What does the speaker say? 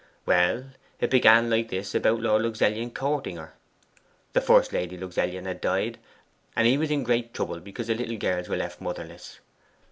Well, it began like this about Lord Luxellian courting her. The first Lady Luxellian had died, and he was in great trouble because the little girls were left motherless.